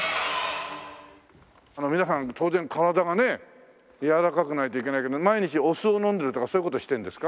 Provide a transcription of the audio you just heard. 皆さん当然体がねやわらかくないといけないけど毎日お酢を飲んでるとかそういう事をしてるんですか？